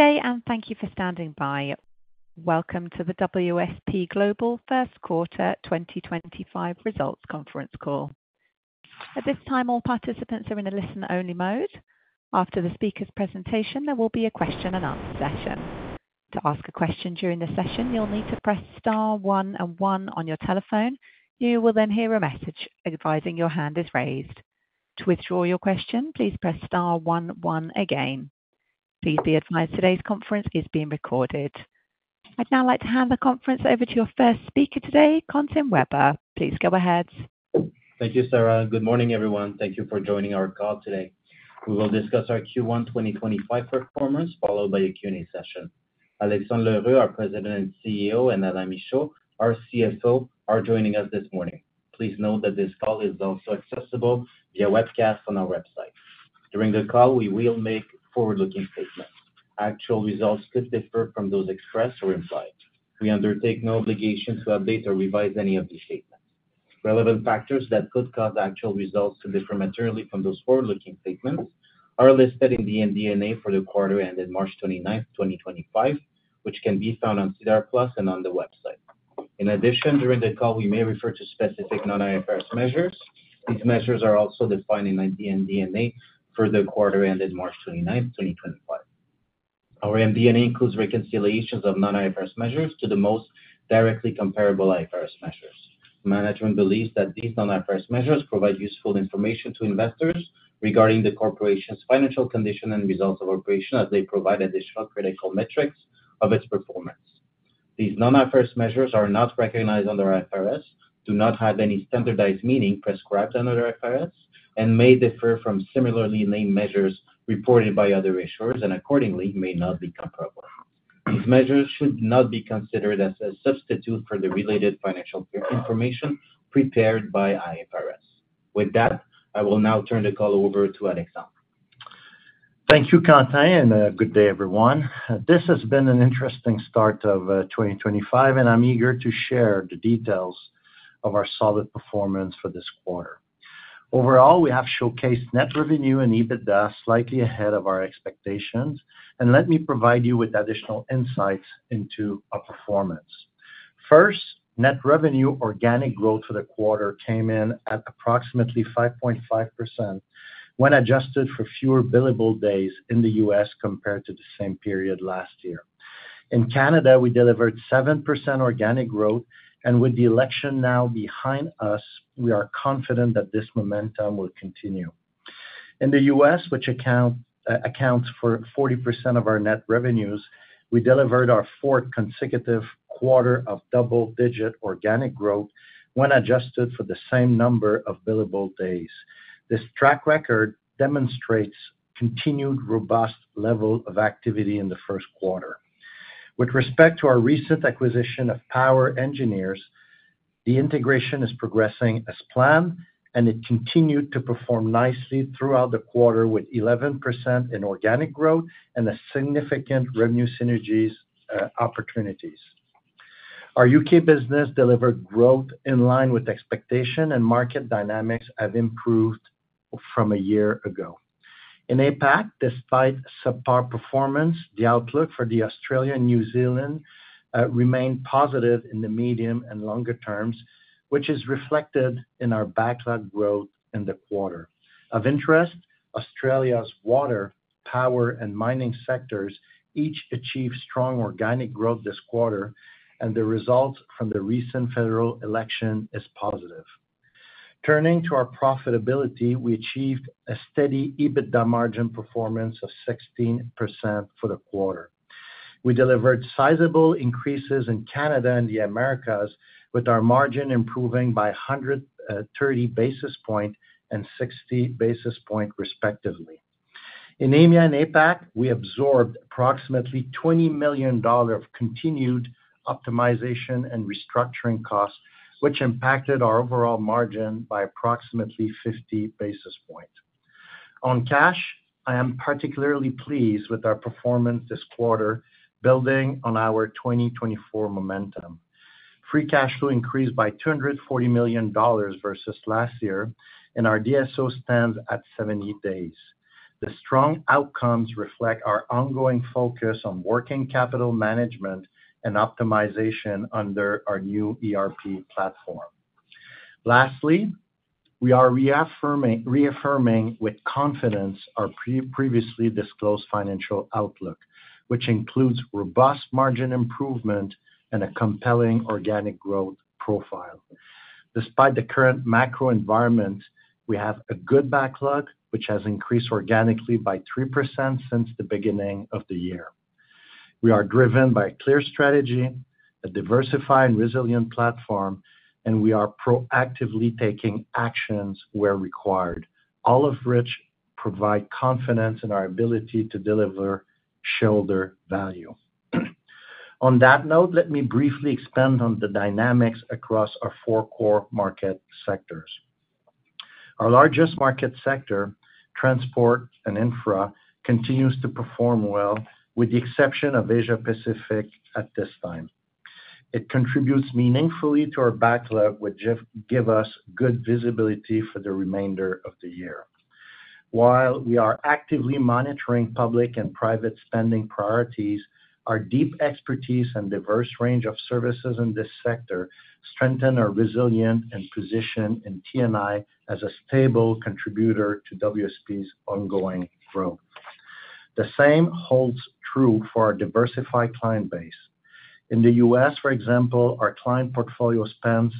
Okay, and thank you for standing by. Welcome to the WSP Global First Quarter 2025 Results Conference Call. At this time, all participants are in a listen-only mode. After the speaker's presentation, there will be a question-and-answer session. To ask a question during the session, you'll need to press star one and one on your telephone. You will then hear a message advising your hand is raised. To withdraw your question, please press star one one again. Please be advised today's conference is being recorded. I'd now like to hand the conference over to your first speaker today, Quentin Weber. Please go ahead. Thank you, Sarah. Good morning, everyone. Thank you for joining our call today. We will discuss our Q1 2025 performance, followed by a Q&A session. Alexandre L'Heureux, our President and CEO, and Alain Michaud, our CFO, are joining us this morning. Please note that this call is also accessible via webcast on our website. During the call, we will make forward-looking statements. Actual results could differ from those expressed or implied. We undertake no obligation to update or revise any of these statements. Relevant factors that could cause actual results to differ materially from those forward-looking statements are listed in the NDA for the quarter ended March 29th, 2025, which can be found on CDR Plus and on the website. In addition, during the call, we may refer to specific non-IFRS measures. These measures are also defined in the NDA for the quarter ended March 29th, 2025. Our NDA includes reconciliations of non-IFRS measures to the most directly comparable IFRS measures. Management believes that these non-IFRS measures provide useful information to investors regarding the corporation's financial condition and results of operation, as they provide additional critical metrics of its performance. These non-IFRS measures are not recognized under IFRS, do not have any standardized meaning prescribed under IFRS, and may differ from similarly named measures reported by other issuers, and accordingly, may not be comparable. These measures should not be considered as a substitute for the related financial information prepared by IFRS. With that, I will now turn the call over to Alexandre. Thank you, Quentin, and good day, everyone. This has been an interesting start of 2025, and I'm eager to share the details of our solid performance for this quarter. Overall, we have showcased net revenue and EBITDA slightly ahead of our expectations, and let me provide you with additional insights into our performance. First, net revenue organic growth for the quarter came in at approximately 5.5% when adjusted for fewer billable days in the U.S. compared to the same period last year. In Canada, we delivered 7% organic growth, and with the election now behind us, we are confident that this momentum will continue. In the U.S., which accounts for 40% of our net revenues, we delivered our fourth consecutive quarter of double-digit organic growth when adjusted for the same number of billable days. This track record demonstrates a continued robust level of activity in the first quarter. With respect to our recent acquisition of POWER Engineers, the integration is progressing as planned, and it continued to perform nicely throughout the quarter, with 11% in organic growth and significant revenue synergies opportunities. Our U.K. business delivered growth in line with expectations, and market dynamics have improved from a year ago. In APAC, despite subpar performance, the outlook for Australia and New Zealand remained positive in the medium and longer terms, which is reflected in our backlog growth in the quarter. Of interest, Australia's water, power, and mining sectors each achieved strong organic growth this quarter, and the result from the recent federal election is positive. Turning to our profitability, we achieved a steady EBITDA margin performance of 16% for the quarter. We delivered sizable increases in Canada and the Americas, with our margin improving by 130 basis points and 60 basis points, respectively. In EMEA and APAC, we absorbed approximately 20 million dollar of continued optimization and restructuring costs, which impacted our overall margin by approximately 50 basis points. On cash, I am particularly pleased with our performance this quarter, building on our 2024 momentum. Free cash flow increased by 240 million dollars versus last year, and our DSO stands at 70 days. The strong outcomes reflect our ongoing focus on working capital management and optimization under our new ERP platform. Lastly, we are reaffirming with confidence our previously disclosed financial outlook, which includes robust margin improvement and a compelling organic growth profile. Despite the current macro environment, we have a good backlog, which has increased organically by 3% since the beginning of the year. We are driven by a clear strategy, a diversified and resilient platform, and we are proactively taking actions where required, all of which provide confidence in our ability to deliver shareholder value. On that note, let me briefly expand on the dynamics across our four core market sectors. Our largest market sector, transport and infra, continues to perform well, with the exception of Asia-Pacific at this time. It contributes meaningfully to our backlog, which gives us good visibility for the remainder of the year. While we are actively monitoring public and private spending priorities, our deep expertise and diverse range of services in this sector strengthen our resilience and position in TNI as a stable contributor to WSP's ongoing growth. The same holds true for our diversified client base. In the U.S., for example, our client portfolio spans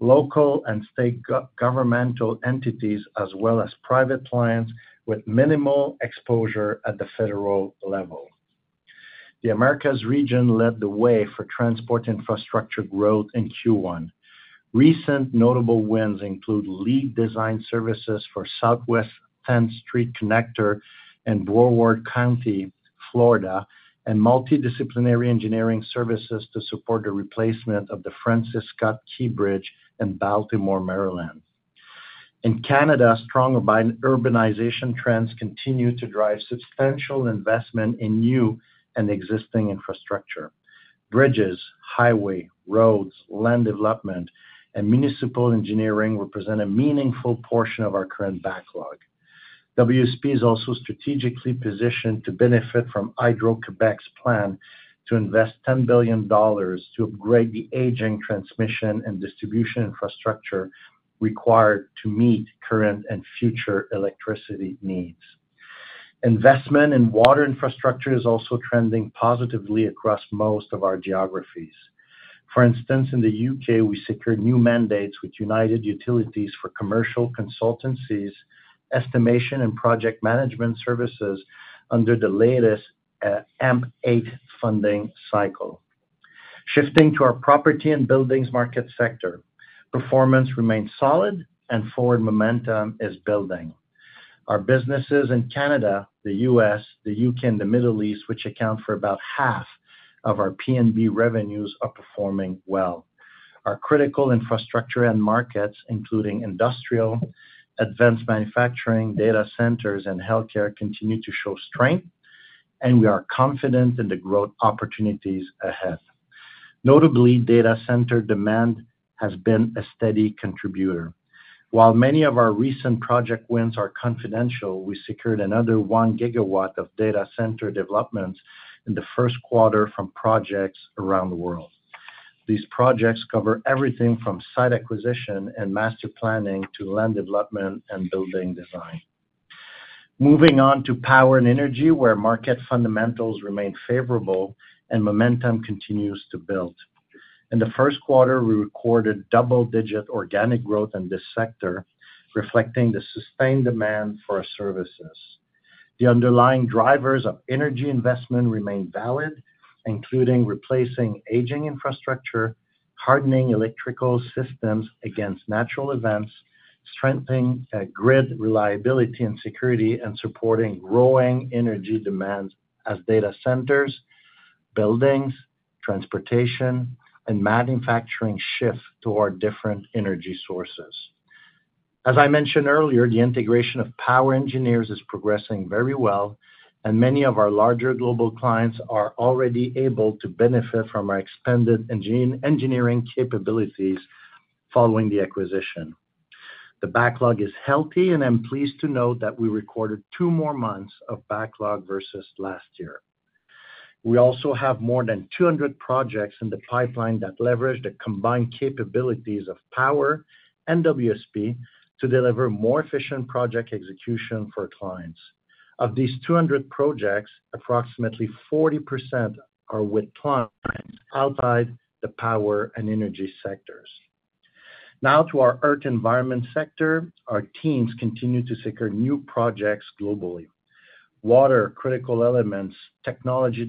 local and state governmental entities, as well as private clients with minimal exposure at the federal level. The Americas region led the way for transport infrastructure growth in Q1. Recent notable wins include lead design services for Southwest 10th Street Connector and Broward County, Florida, and multidisciplinary engineering services to support the replacement of the Francis Scott Key Bridge in Baltimore, Maryland. In Canada, strong urbanization trends continue to drive substantial investment in new and existing infrastructure. Bridges, highways, roads, land development, and municipal engineering represent a meaningful portion of our current backlog. WSP is also strategically positioned to benefit from Hydro-Quebec's plan to invest 10 billion dollars to upgrade the aging transmission and distribution infrastructure required to meet current and future electricity needs. Investment in water infrastructure is also trending positively across most of our geographies. For instance, in the U.K., we secured new mandates with United Utilities for commercial consultancies, estimation, and project management services under the latest AMP8 funding cycle. Shifting to our property and buildings market sector, performance remains solid, and forward momentum is building. Our businesses in Canada, the U.S., the U.K., and the Middle East, which account for about half of our P&B revenues, are performing well. Our critical infrastructure and markets, including industrial, advanced manufacturing, data centers, and healthcare, continue to show strength, and we are confident in the growth opportunities ahead. Notably, data center demand has been a steady contributor. While many of our recent project wins are confidential, we secured another one gigawatt of data center developments in the first quarter from projects around the world. These projects cover everything from site acquisition and master planning to land development and building design. Moving on to power and energy, where market fundamentals remain favorable and momentum continues to build. In the first quarter, we recorded double-digit organic growth in this sector, reflecting the sustained demand for our services. The underlying drivers of energy investment remain valid, including replacing aging infrastructure, hardening electrical systems against natural events, strengthening grid reliability and security, and supporting growing energy demands as data centers, buildings, transportation, and manufacturing shift toward different energy sources. As I mentioned earlier, the integration of POWER Engineers is progressing very well, and many of our larger global clients are already able to benefit from our expanded engineering capabilities following the acquisition. The backlog is healthy, and I'm pleased to note that we recorded two more months of backlog versus last year. We also have more than 200 projects in the pipeline that leverage the combined capabilities of POWER and WSP to deliver more efficient project execution for clients. Of these 200 projects, approximately 40% are with clients outside the power and energy sectors. Now, to our Earth Environment sector, our teams continue to secure new projects globally. Water, critical elements, technology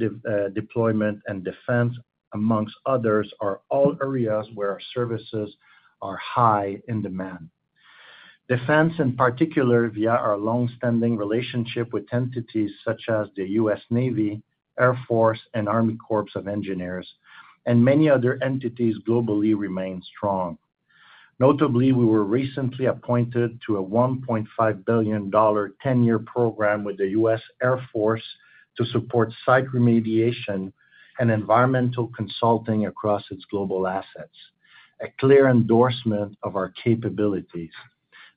deployment, and defense, amongst others, are all areas where our services are high in demand. Defense, in particular, via our long-standing relationship with entities such as the U.S. Navy, Air Force, and Army Corps of Engineers, and many other entities globally remain strong. Notably, we were recently appointed to a 1.5 billion dollar 10-year program with the U.S. Air Force to support site remediation and environmental consulting across its global assets, a clear endorsement of our capabilities.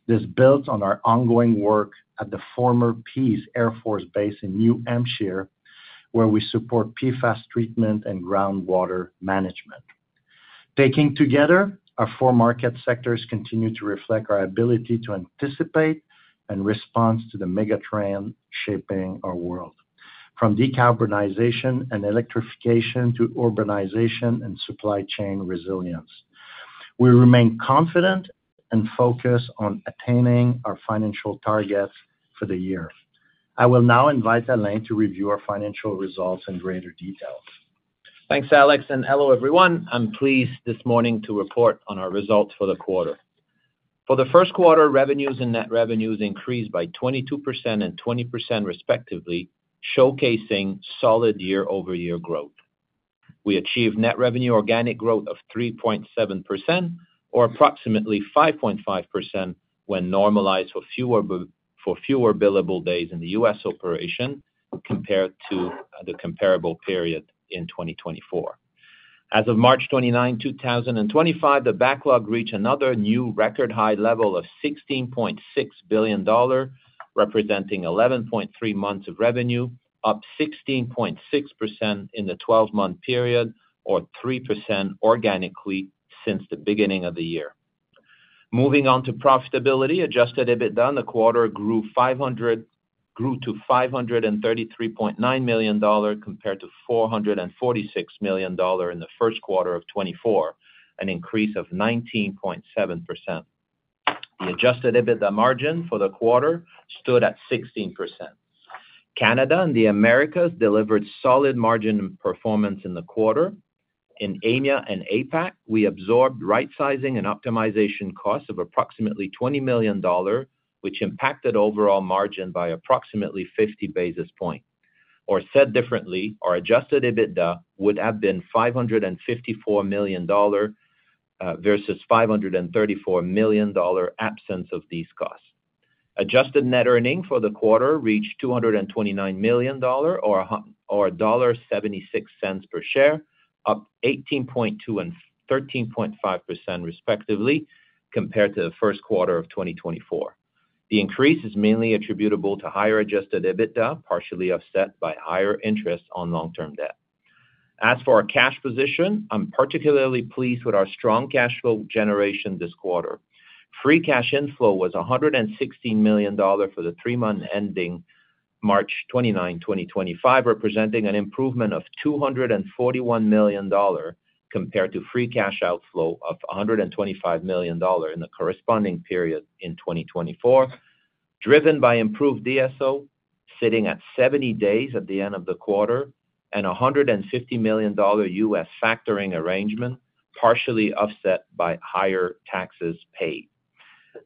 This builds on our ongoing work at the former Pease Air Force Base in New Hampshire, where we support PFAS treatment and groundwater management. Taken together, our four market sectors continue to reflect our ability to anticipate and respond to the megatrends shaping our world. From decarbonization and electrification to urbanization and supply chain resilience, we remain confident and focused on attaining our financial targets for the year. I will now invite Alain to review our financial results in greater detail. Thanks, Alex, and hello, everyone. I'm pleased this morning to report on our results for the quarter. For the first quarter, revenues and net revenues increased by 22% and 20%, respectively, showcasing solid year-over-year growth. We achieved net revenue organic growth of 3.7%, or approximately 5.5% when normalized for fewer billable days in the U.S. operation compared to the comparable period in 2024. As of March 29th, 2025, the backlog reached another new record high level of 16.6 billion dollar, representing 11.3 months of revenue, up 16.6% in the 12-month period, or 3% organically since the beginning of the year. Moving on to profitability, adjusted EBITDA, the quarter grew to 533.9 million dollar compared to 446 million dollar in the first quarter of 2024, an increase of 19.7%. The adjusted EBITDA margin for the quarter stood at 16%. Canada and the Americas delivered solid margin performance in the quarter. In EMEA and APAC, we absorbed right-sizing and optimization costs of approximately 20 million dollar, which impacted overall margin by approximately 50 basis points. Or said differently, our adjusted EBITDA would have been 554 million dollar versus 534 million dollar absent these costs. Adjusted net earnings for the quarter reached 229 million dollar, or dollar 1.76 per share, up 18.2% and 13.5%, respectively, compared to the first quarter of 2024. The increase is mainly attributable to higher adjusted EBITDA, partially offset by higher interest on long-term debt. As for our cash position, I'm particularly pleased with our strong cash flow generation this quarter. Free cash inflow was 116 million dollars for the three-month ending March 29, 2025, representing an improvement of 241 million dollars compared to free cash outflow of 125 million dollars in the corresponding period in 2024, driven by improved DSO sitting at 70 days at the end of the quarter and 150 million dollar U.S. factoring arrangement, partially offset by higher taxes paid.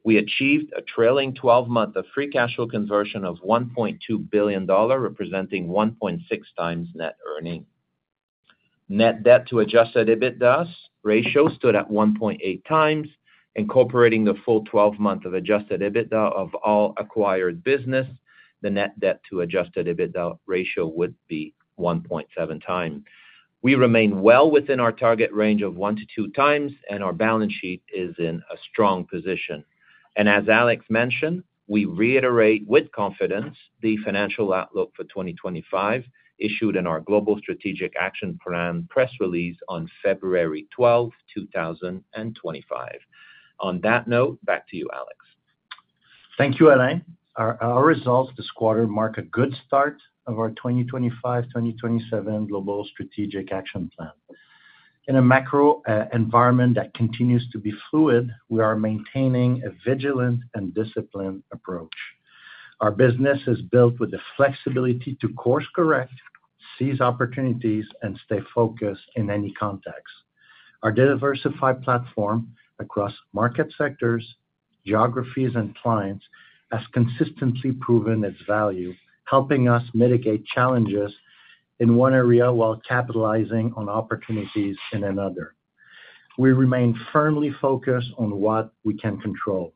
We achieved a trailing 12-month of free cash flow conversion of 1.2 billion dollar, representing 1.6 times net earning. Net debt to adjusted EBITDA ratio stood at 1.8 times. Incorporating the full 12-month of adjusted EBITDA of all acquired business, the net debt to adjusted EBITDA ratio would be 1.7 times. We remain well within our target range of one to two times, and our balance sheet is in a strong position. As Alex mentioned, we reiterate with confidence the financial outlook for 2025 issued in our Global Strategic Action Plan press release on February 12, 2025. On that note, back to you, Alex. Thank you, Alain. Our results this quarter mark a good start of our 2025-2027 Global Strategic Action Plan. In a macro environment that continues to be fluid, we are maintaining a vigilant and disciplined approach. Our business is built with the flexibility to course-correct, seize opportunities, and stay focused in any context. Our diversified platform across market sectors, geographies, and clients has consistently proven its value, helping us mitigate challenges in one area while capitalizing on opportunities in another. We remain firmly focused on what we can control.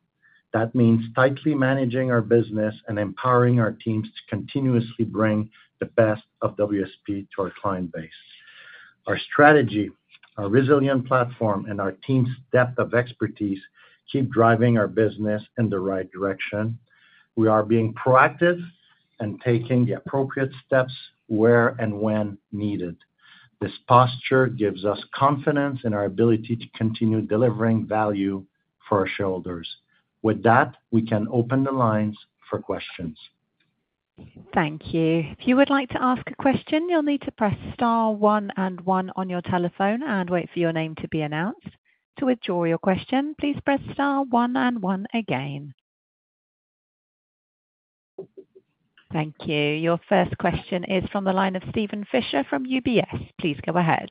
That means tightly managing our business and empowering our teams to continuously bring the best of WSP to our client base. Our strategy, our resilient platform, and our team's depth of expertise keep driving our business in the right direction. We are being proactive and taking the appropriate steps where and when needed. This posture gives us confidence in our ability to continue delivering value for our shareholders. With that, we can open the lines for questions. Thank you. If you would like to ask a question, you'll need to press star one and one on your telephone and wait for your name to be announced. To withdraw your question, please press star one and one again. Thank you. Your first question is from the line of Stephen Fisher from UBS. Please go ahead.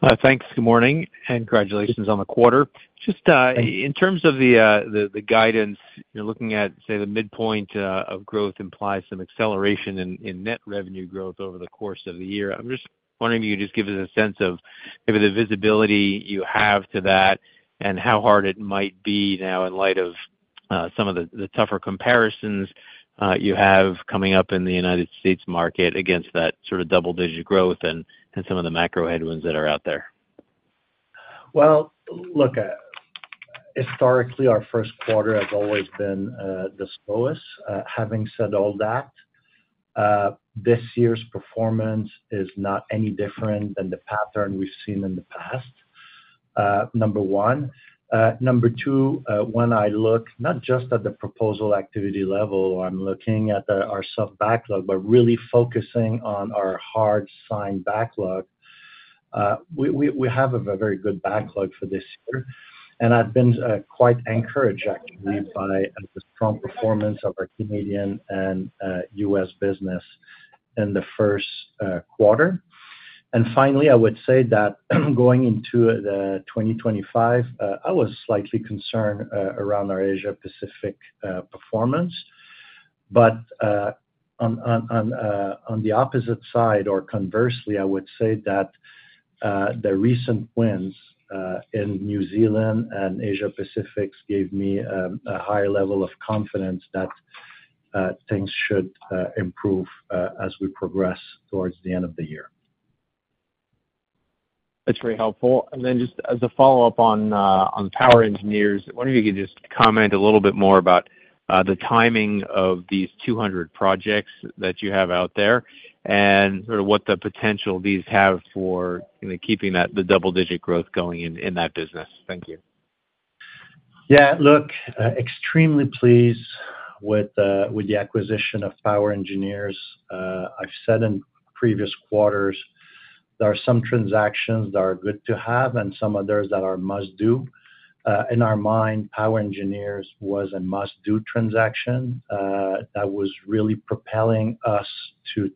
Hi, thanks. Good morning and congratulations on the quarter. Just in terms of the guidance, you're looking at, say, the midpoint of growth implies some acceleration in net revenue growth over the course of the year. I'm just wondering if you could just give us a sense of maybe the visibility you have to that and how hard it might be now in light of some of the tougher comparisons you have coming up in the U.S. market against that sort of double-digit growth and some of the macro headwinds that are out there. Historically, our first quarter has always been the slowest. Having said all that, this year's performance is not any different than the pattern we've seen in the past, number one. Number two, when I look not just at the proposal activity level, I'm looking at our soft backlog, but really focusing on our hard-signed backlog. We have a very good backlog for this year, and I've been quite encouraged, actually, by the strong performance of our Canadian and U.S. business in the first quarter. Finally, I would say that going into 2025, I was slightly concerned around our Asia-Pacific performance. Conversely, I would say that the recent wins in New Zealand and Asia-Pacific gave me a higher level of confidence that things should improve as we progress towards the end of the year. That's very helpful. Just as a follow-up on the POWER Engineers, I wonder if you could just comment a little bit more about the timing of these 200 projects that you have out there and sort of what the potential these have for keeping the double-digit growth going in that business. Thank you. Yeah, look, extremely pleased with the acquisition of POWER Engineers. I've said in previous quarters, there are some transactions that are good to have and some others that are must-do. In our mind, POWER Engineers was a must-do transaction that was really propelling us to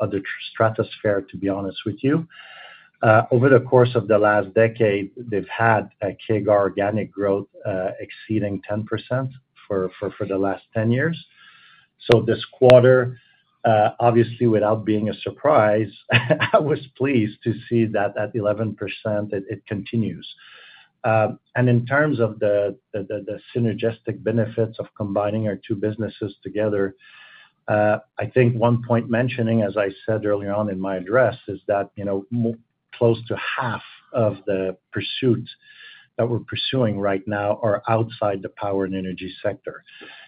the stratosphere, to be honest with you. Over the course of the last decade, they've had a CAGR organic growth exceeding 10% for the last 10 years. This quarter, obviously, without being a surprise, I was pleased to see that at 11%, it continues. In terms of the synergistic benefits of combining our two businesses together, I think one point mentioning, as I said earlier on in my address, is that close to half of the pursuits that we're pursuing right now are outside the power and energy sector.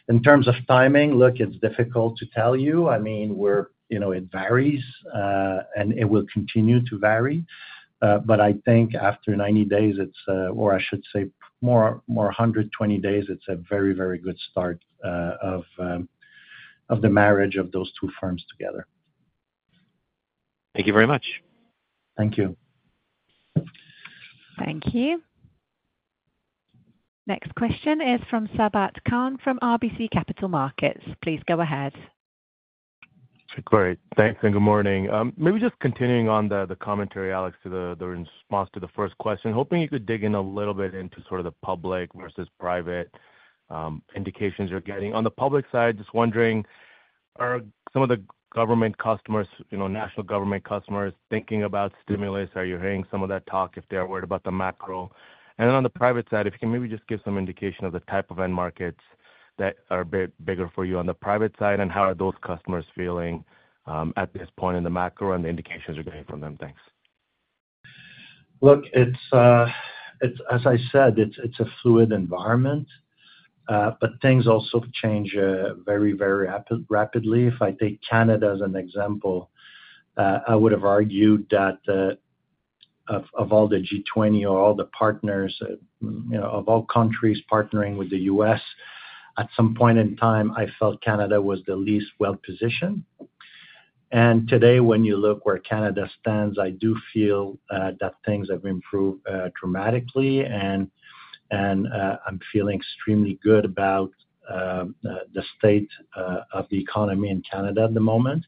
In terms of timing, look, it's difficult to tell you. I mean, it varies, and it will continue to vary. I think after 90 days, or I should say more 120 days, it's a very, very good start of the marriage of those two firms together. Thank you very much. Thank you. Thank you. Next question is from Sabat Khan from RBC Capital Markets. Please go ahead. Great. Thanks and good morning. Maybe just continuing on the commentary, Alex, to the response to the first question, hoping you could dig in a little bit into sort of the public versus private indications you're getting. On the public side, just wondering, are some of the government customers, national government customers, thinking about stimulus? Are you hearing some of that talk if they're worried about the macro? On the private side, if you can maybe just give some indication of the type of end markets that are bigger for you on the private side, and how are those customers feeling at this point in the macro and the indications you're getting from them? Thanks. Look, as I said, it's a fluid environment, but things also change very, very rapidly. If I take Canada as an example, I would have argued that of all the G20 or all the partners, of all countries partnering with the U.S., at some point in time, I felt Canada was the least well-positioned. Today, when you look where Canada stands, I do feel that things have improved dramatically, and I'm feeling extremely good about the state of the economy in Canada at the moment.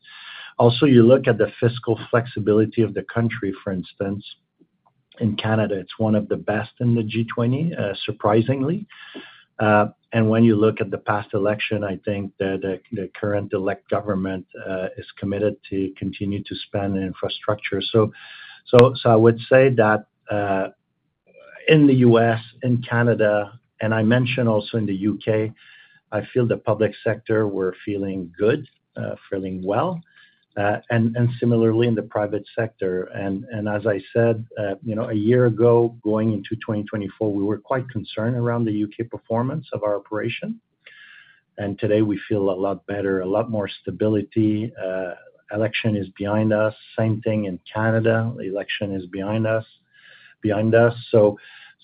Also, you look at the fiscal flexibility of the country, for instance, in Canada, it's one of the best in the G20, surprisingly. When you look at the past election, I think the current elect government is committed to continue to spend on infrastructure. I would say that in the U.S., in Canada, and I mentioned also in the U.K., I feel the public sector were feeling good, feeling well, and similarly in the private sector. As I said, a year ago, going into 2024, we were quite concerned around the U.K. performance of our operation. Today, we feel a lot better, a lot more stability. Election is behind us. Same thing in Canada, the election is behind us.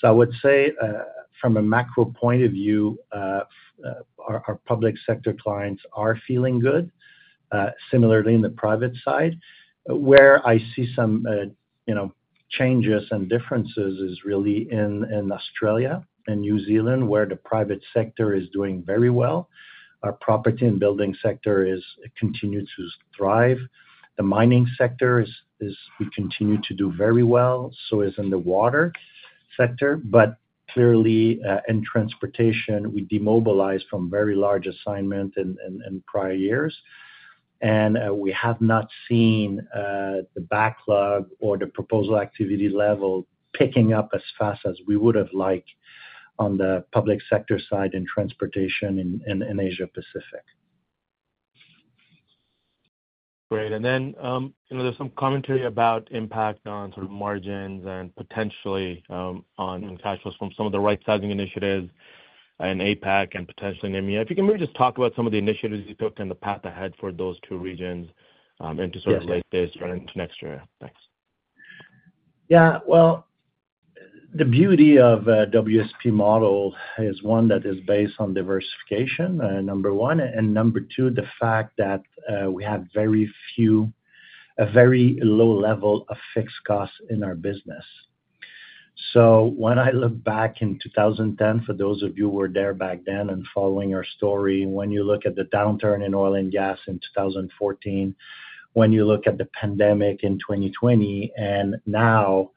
I would say from a macro point of view, our public sector clients are feeling good. Similarly, in the private side, where I see some changes and differences is really in Australia and New Zealand, where the private sector is doing very well. Our property and building sector is continuing to thrive. The mining sector, we continue to do very well. So is in the water sector. Clearly, in transportation, we demobilized from very large assignments in prior years. We have not seen the backlog or the proposal activity level picking up as fast as we would have liked on the public sector side in transportation in Asia-Pacific. Great. There is some commentary about impact on sort of margins and potentially on cash flows from some of the right-sizing initiatives in APAC and potentially in EMEA. If you can maybe just talk about some of the initiatives you took in the path ahead for those two regions into sort of late this run into next year. Thanks. Yeah. The beauty of the WSP model is one that is based on diversification, number one. Number two, the fact that we have very few, a very low level of fixed costs in our business. When I look back in 2010, for those of you who were there back then and following our story, when you look at the downturn in oil and gas in 2014, when you look at the pandemic in 2020, and now,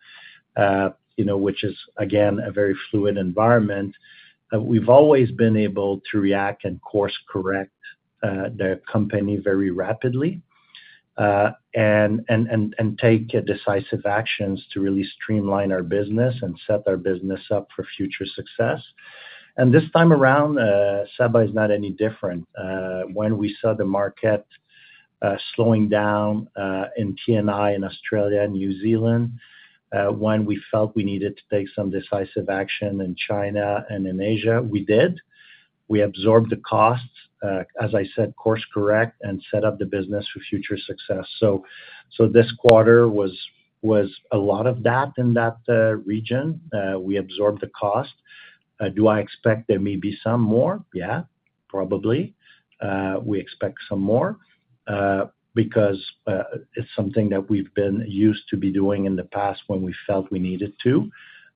which is, again, a very fluid environment, we have always been able to react and course-correct the company very rapidly and take decisive actions to really streamline our business and set our business up for future success. This time around, Sabah is not any different. When we saw the market slowing down in TNI in Australia and New Zealand, when we felt we needed to take some decisive action in China and in Asia, we did. We absorbed the costs, as I said, course-correct, and set up the business for future success. This quarter was a lot of that in that region. We absorbed the cost. Do I expect there may be some more? Yeah, probably. We expect some more because it is something that we have been used to doing in the past when we felt we needed to.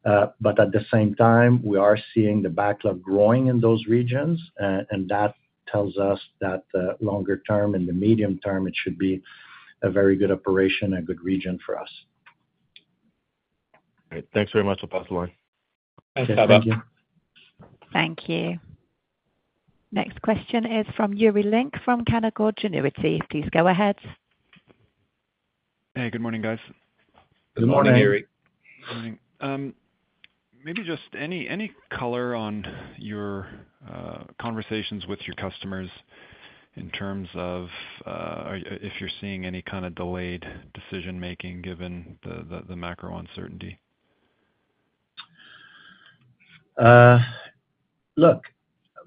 At the same time, we are seeing the backlog growing in those regions, and that tells us that longer term and the medium term, it should be a very good operation, a good region for us. Great. Thanks very much. I'll pass the line. Thank you. Thank you. Next question is from Yuri Lynk from Canaccord Genuity. Please go ahead. Hey, good morning, guys. Good morning, Yuri. Good morning. Maybe just any color on your conversations with your customers in terms of if you're seeing any kind of delayed decision-making given the macro uncertainty? Look,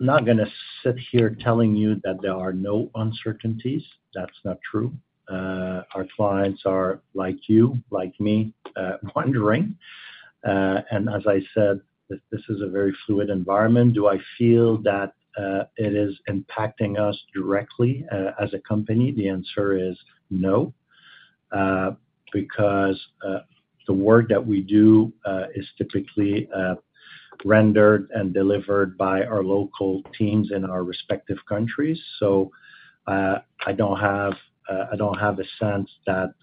I'm not going to sit here telling you that there are no uncertainties. That's not true. Our clients are like you, like me, wondering. As I said, this is a very fluid environment. Do I feel that it is impacting us directly as a company? The answer is no, because the work that we do is typically rendered and delivered by our local teams in our respective countries. I don't have a sense that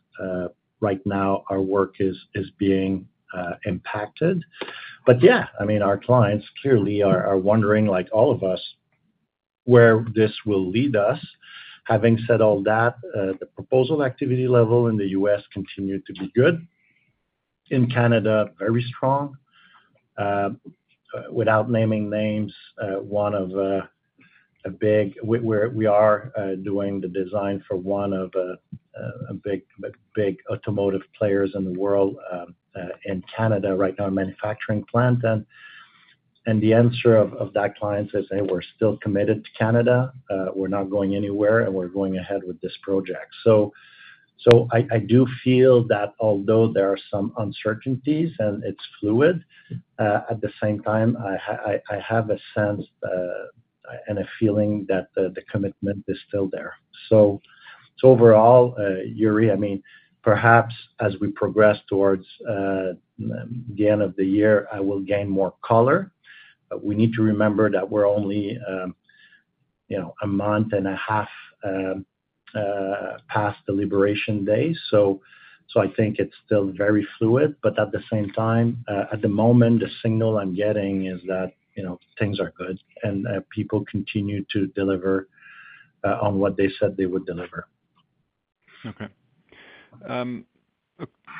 right now our work is being impacted. Yeah, I mean, our clients clearly are wondering, like all of us, where this will lead us. Having said all that, the proposal activity level in the U.S. continued to be good. In Canada, very strong. Without naming names, we are doing the design for one of the big automotive players in the world in Canada right now, a manufacturing plant. The answer of that client says, "Hey, we're still committed to Canada. We're not going anywhere, and we're going ahead with this project." I do feel that although there are some uncertainties and it's fluid, at the same time, I have a sense and a feeling that the commitment is still there. Overall, Yuri, I mean, perhaps as we progress towards the end of the year, I will gain more color. We need to remember that we're only a month and a half past the liberation day. I think it's still very fluid. At the moment, the signal I'm getting is that things are good and people continue to deliver on what they said they would deliver. Okay. A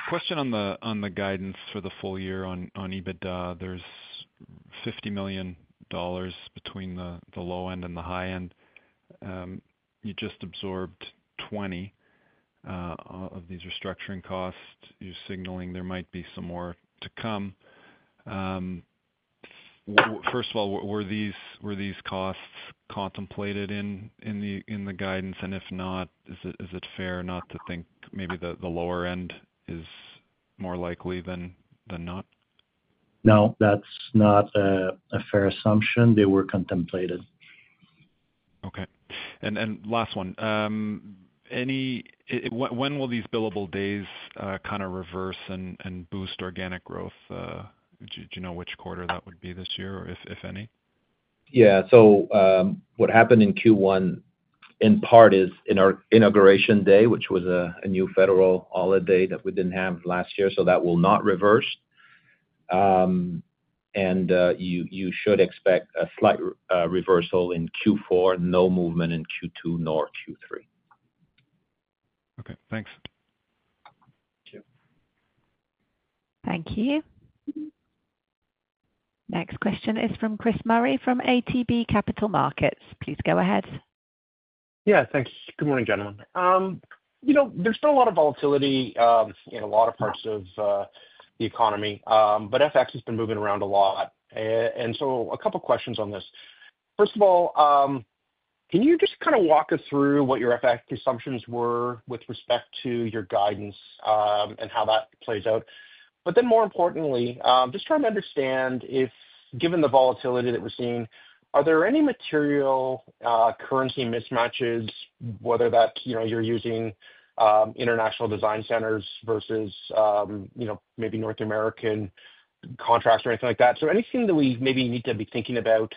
question on the guidance for the full year on EBITDA. There's 50 million dollars between the low end and the high end. You just absorbed 20 million of these restructuring costs. You're signaling there might be some more to come. First of all, were these costs contemplated in the guidance? And if not, is it fair not to think maybe the lower end is more likely than not? No, that's not a fair assumption. They were contemplated. Okay. And last one. When will these billable days kind of reverse and boost organic growth? Do you know which quarter that would be this year, if any? Yeah. So what happened in Q1 in part is in our Inauguration Day, which was a new federal holiday that we did not have last year. That will not reverse. You should expect a slight reversal in Q4, no movement in Q2 nor Q3. Okay. Thanks. Thank you. Next question is from Chris Murray from ATB Capital Markets. Please go ahead. Yeah. Thanks. Good morning, gentlemen. There's still a lot of volatility in a lot of parts of the economy, but FX has been moving around a lot. A couple of questions on this. First of all, can you just kind of walk us through what your FX assumptions were with respect to your guidance and how that plays out? More importantly, just trying to understand if, given the volatility that we're seeing, are there any material currency mismatches, whether that's you're using international design centers versus maybe North American contracts or anything like that? Anything that we maybe need to be thinking about?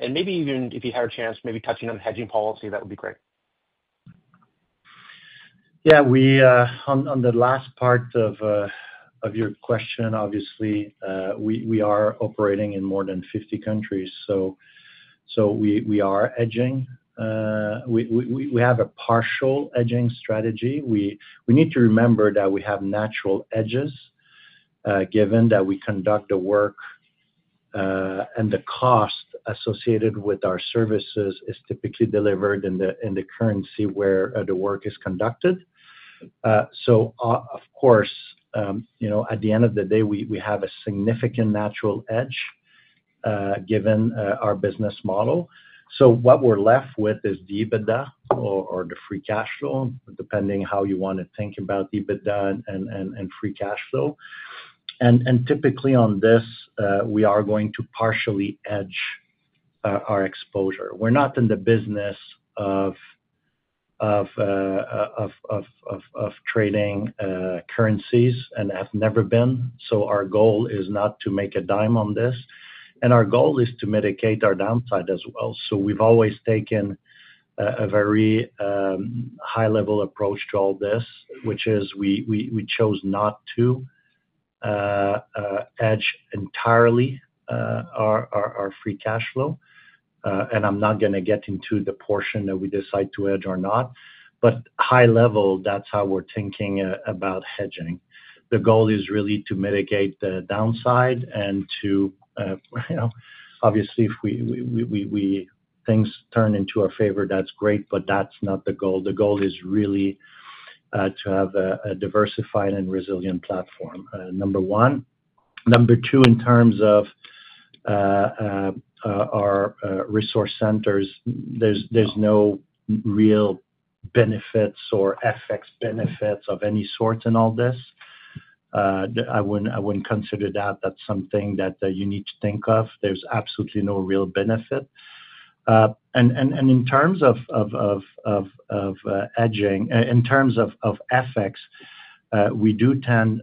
Maybe even if you had a chance, maybe touching on the hedging policy, that would be great. Yeah. On the last part of your question, obviously, we are operating in more than 50 countries. We are hedging. We have a partial hedging strategy. We need to remember that we have natural hedges, given that we conduct the work and the cost associated with our services is typically delivered in the currency where the work is conducted. Of course, at the end of the day, we have a significant natural hedge given our business model. What we're left with is the EBITDA or the free cash flow, depending how you want to think about EBITDA and free cash flow. Typically on this, we are going to partially hedge our exposure. We are not in the business of trading currencies and have never been. Our goal is not to make a dime on this. Our goal is to mitigate our downside as well. We have always taken a very high-level approach to all this, which is we chose not to hedge entirely our free cash flow. I am not going to get into the portion that we decide to hedge or not. High level, that is how we are thinking about hedging. The goal is really to mitigate the downside and to obviously, if things turn into our favor, that is great, but that is not the goal. The goal is really to have a diversified and resilient platform, number one. Number two, in terms of our resource centers, there is no real benefits or FX benefits of any sort in all this. I would not consider that something that you need to think of. There is absolutely no real benefit. In terms of hedging, in terms of FX, we do tend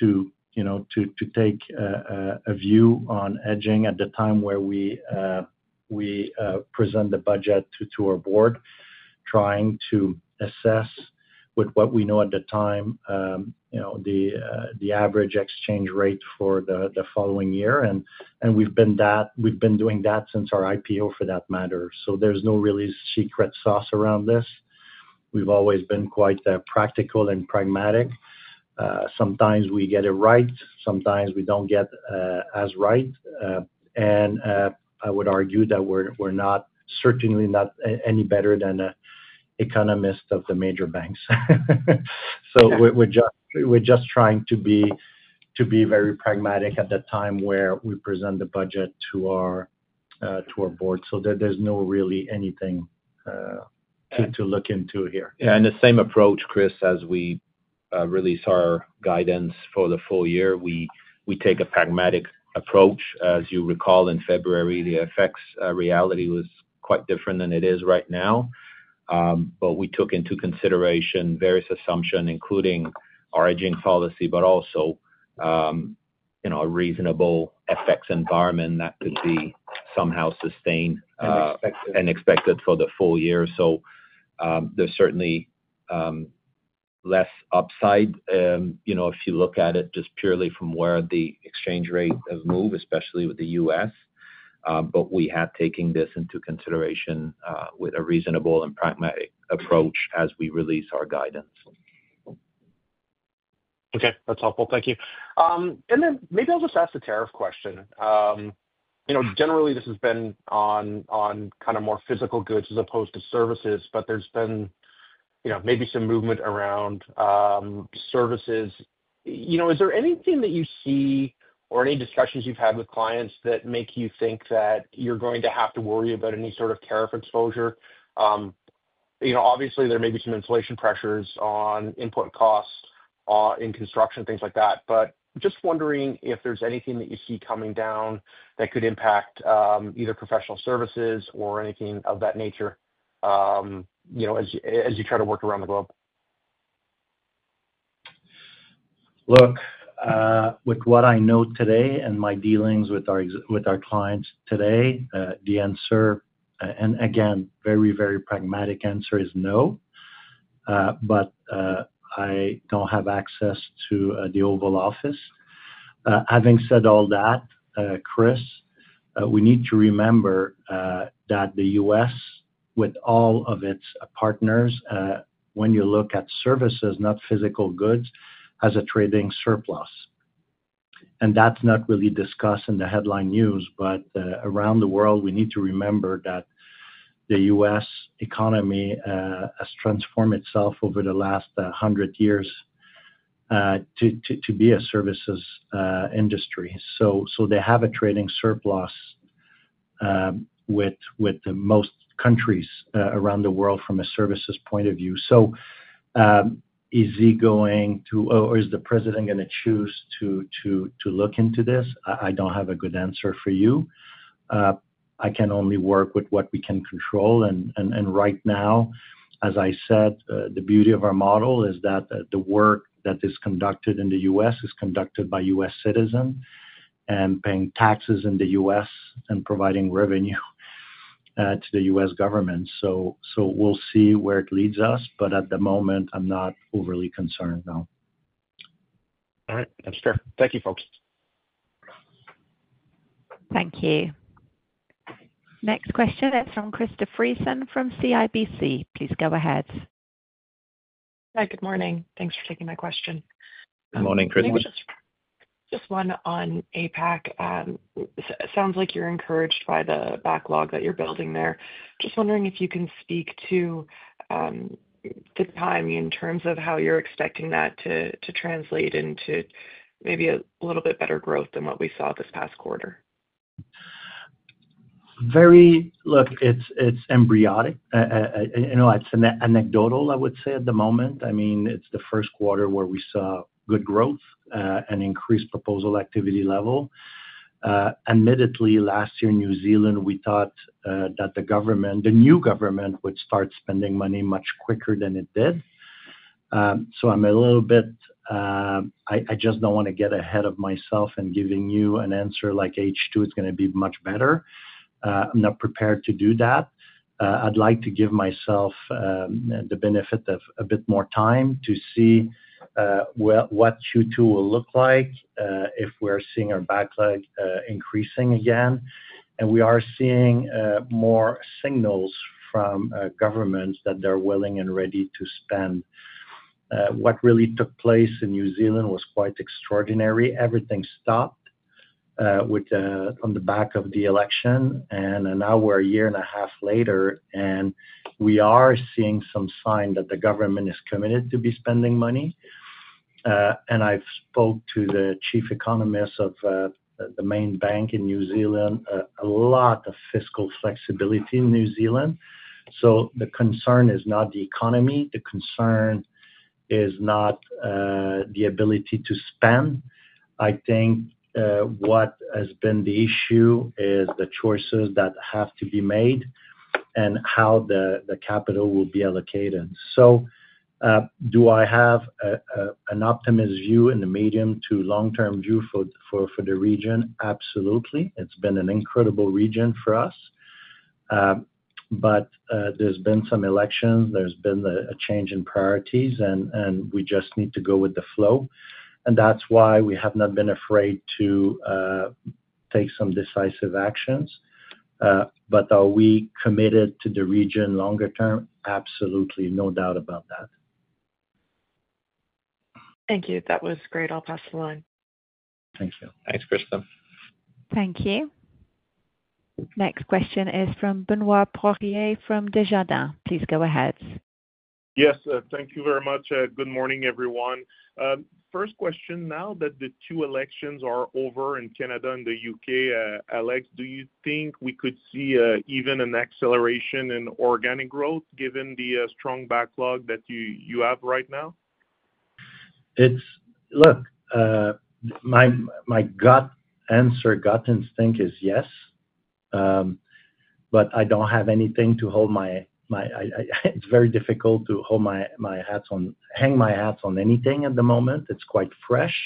to take a view on hedging at the time where we present the budget to our board, trying to assess with what we know at the time, the average exchange rate for the following year. We have been doing that since our IPO, for that matter. There is no really secret sauce around this. We have always been quite practical and pragmatic. Sometimes we get it right. Sometimes we do not get as right. I would argue that we are certainly not any better than economists of the major banks. We are just trying to be very pragmatic at the time where we present the budget to our board. There is not really anything to look into here. Yeah. The same approach, Chris, as we release our guidance for the full year, we take a pragmatic approach. As you recall, in February, the FX reality was quite different than it is right now. We took into consideration various assumptions, including our hedging policy, but also a reasonable FX environment that could be somehow sustained and expected for the full year. There is certainly less upside if you look at it just purely from where the exchange rate has moved, especially with the U.S.. We have taken this into consideration with a reasonable and pragmatic approach as we release our guidance. Okay. That's helpful. Thank you. Maybe I'll just ask a tariff question. Generally, this has been on kind of more physical goods as opposed to services, but there's been maybe some movement around services. Is there anything that you see or any discussions you've had with clients that make you think that you're going to have to worry about any sort of tariff exposure? Obviously, there may be some inflation pressures on input costs in construction, things like that. Just wondering if there's anything that you see coming down that could impact either professional services or anything of that nature as you try to work around the globe. Look, with what I know today and my dealings with our clients today, the answer, and again, very, very pragmatic answer is no. I do not have access to the Oval Office. Having said all that, Chris, we need to remember that the U.S., with all of its partners, when you look at services, not physical goods, has a trading surplus. That is not really discussed in the headline news, but around the world, we need to remember that the U.S. economy has transformed itself over the last 100 years to be a services industry. They have a trading surplus with most countries around the world from a services point of view. Is he going to, or is the president going to choose to look into this? I do not have a good answer for you. I can only work with what we can control. Right now, as I said, the beauty of our model is that the work that is conducted in the U.S. is conducted by U.S. citizens and paying taxes in the U.S. and providing revenue to the U.S. government. We will see where it leads us. At the moment, I am not overly concerned, no. All right. That's fair. Thank you, folks. Thank you. Next question is from Krista Friesen from CIBC. Please go ahead. Hi. Good morning. Thanks for taking my question. Good morning, Krista. Just one on APAC. It sounds like you're encouraged by the backlog that you're building there. Just wondering if you can speak to the timing in terms of how you're expecting that to translate into maybe a little bit better growth than what we saw this past quarter. Look, it's embryonic. It's anecdotal, I would say, at the moment. I mean, it's the first quarter where we saw good growth and increased proposal activity level. Admittedly, last year in New Zealand, we thought that the government, the new government, would start spending money much quicker than it did. So I'm a little bit I just don't want to get ahead of myself and giving you an answer like H2 is going to be much better. I'm not prepared to do that. I'd like to give myself the benefit of a bit more time to see what Q2 will look like if we're seeing our backlog increasing again. And we are seeing more signals from governments that they're willing and ready to spend. What really took place in New Zealand was quite extraordinary. Everything stopped on the back of the election and an hour, a year and a half later. We are seeing some sign that the government is committed to be spending money. I have spoke to the Chief Economist of the main bank in New Zealand. A lot of fiscal flexibility in New Zealand. The concern is not the economy. The concern is not the ability to spend. I think what has been the issue is the choices that have to be made and how the capital will be allocated. Do I have an optimist view in the medium to long-term view for the region? Absolutely. It has been an incredible region for us. There have been some elections. There has been a change in priorities, and we just need to go with the flow. That is why we have not been afraid to take some decisive actions. Are we committed to the region longer term? Absolutely. No doubt about that. Thank you. That was great. I'll pass the line. Thank you. Thanks, Krista. Thank you. Next question is from Benoit Pourier from Desjardins. Please go ahead. Yes. Thank you very much. Good morning, everyone. First question, now that the two elections are over in Canada and the U.K., Alex, do you think we could see even an acceleration in organic growth given the strong backlog that you have right now? Look, my gut answer, gut instinct is yes. I do not have anything to hold my, it is very difficult to hang my hat on anything at the moment. It is quite fresh.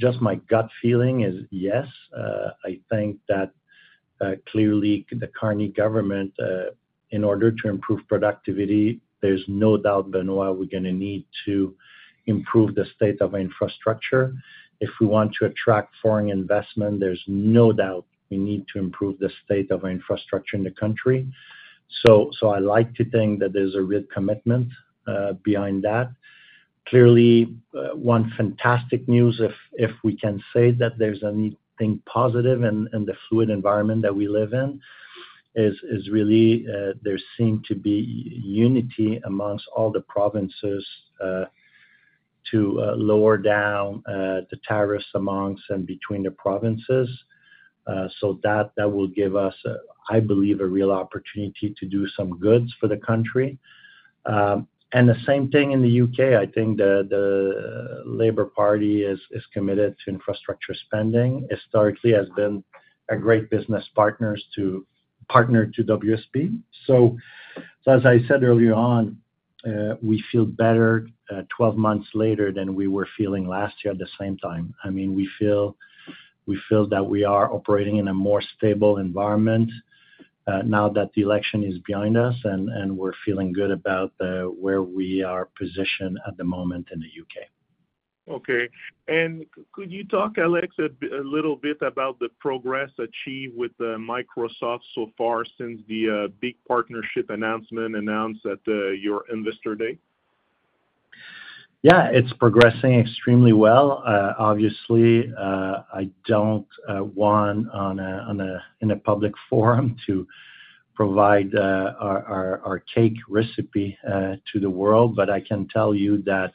Just my gut feeling is yes. I think that clearly the Carney government, in order to improve productivity, there is no doubt, Benoit, we are going to need to improve the state of infrastructure. If we want to attract foreign investment, there is no doubt we need to improve the state of infrastructure in the country. I like to think that there is a real commitment behind that. Clearly, one fantastic news, if we can say that there is anything positive in the fluid environment that we live in, is really there seem to be unity amongst all the provinces to lower down the tariffs amongst and between the provinces. That will give us, I believe, a real opportunity to do some goods for the country. The same thing in the U.K. I think the Labour Party is committed to infrastructure spending. Historically, has been a great business partner to WSP. As I said earlier on, we feel better 12 months later than we were feeling last year at the same time. I mean, we feel that we are operating in a more stable environment now that the election is behind us, and we're feeling good about where we are positioned at the moment in the U.K. Okay. Could you talk, Alex, a little bit about the progress achieved with Microsoft so far since the big partnership announcement announced at your investor day? Yeah. It's progressing extremely well. Obviously, I don't want on a public forum to provide our cake recipe to the world, but I can tell you that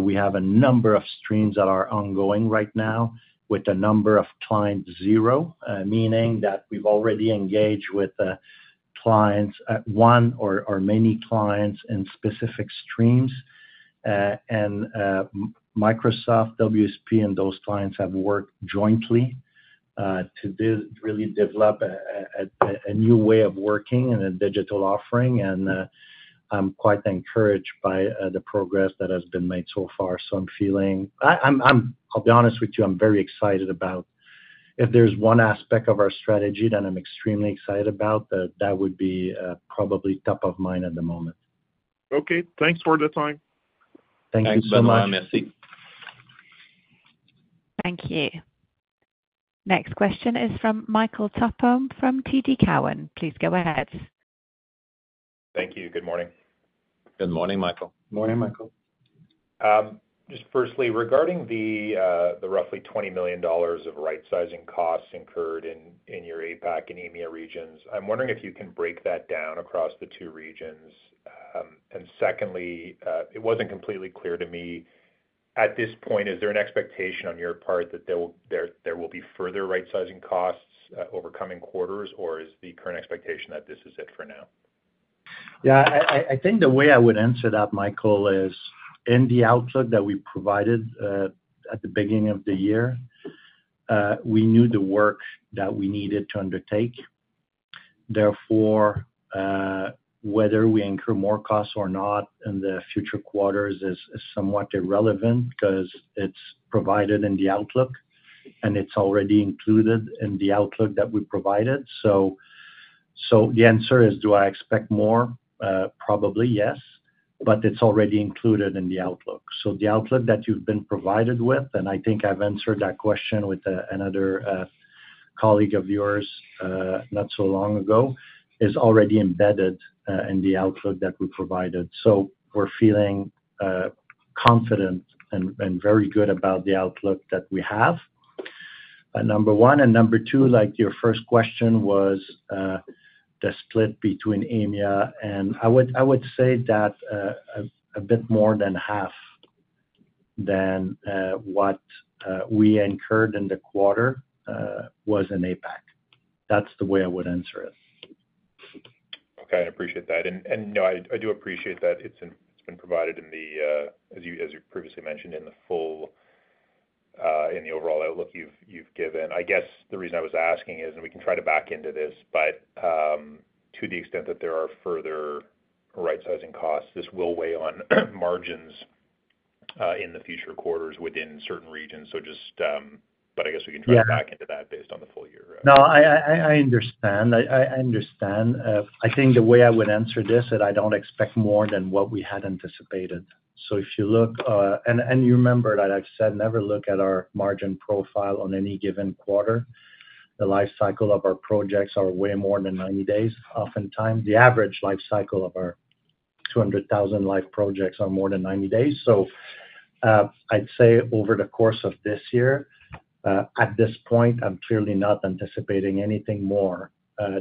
we have a number of streams that are ongoing right now with a number of client zero, meaning that we've already engaged with clients, one or many clients in specific streams. Microsoft, WSP, and those clients have worked jointly to really develop a new way of working and a digital offering. I'm quite encouraged by the progress that has been made so far. I'm feeling, I'll be honest with you, I'm very excited about, if there's one aspect of our strategy that I'm extremely excited about, that would be probably top of mind at the moment. Okay. Thanks for the time. Thank you so much. Thanks, Benoit and merci. Thank you. Next question is from Michael Tupholme from TD Cowen. Please go ahead. Thank you. Good morning. Good morning, Michael. Good morning, Michael. Just firstly, regarding the roughly 20 million dollars of rightsizing costs incurred in your APAC and EMEA regions, I'm wondering if you can break that down across the two regions. Secondly, it wasn't completely clear to me at this point, is there an expectation on your part that there will be further rightsizing costs over coming quarters, or is the current expectation that this is it for now? Yeah. I think the way I would answer that, Michael, is in the outlook that we provided at the beginning of the year, we knew the work that we needed to undertake. Therefore, whether we incur more costs or not in the future quarters is somewhat irrelevant because it's provided in the outlook, and it's already included in the outlook that we provided. The answer is, do I expect more? Probably yes. But it's already included in the outlook. The outlook that you've been provided with, and I think I've answered that question with another colleague of yours not so long ago, is already embedded in the outlook that we provided. We're feeling confident and very good about the outlook that we have, number one. Number two, like your first question was the split between EMEA, and I would say that a bit more than half than what we incurred in the quarter was in APAC. That's the way I would answer it. Okay. I appreciate that. No, I do appreciate that it's been provided in the, as you previously mentioned, in the overall outlook you've given. I guess the reason I was asking is, and we can try to back into this, but to the extent that there are further rightsizing costs, this will weigh on margins in the future quarters within certain regions. I guess we can try to back into that based on the full year. No, I understand. I understand. I think the way I would answer this is I do not expect more than what we had anticipated. If you look, and you remember that I have said never look at our margin profile on any given quarter. The lifecycle of our projects are way more than 90 days oftentimes. The average lifecycle of our 200,000-life projects are more than 90 days. I would say over the course of this year, at this point, I am clearly not anticipating anything more